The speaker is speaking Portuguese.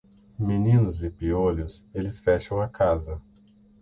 Meninos e piolhos, eles fecham a casa.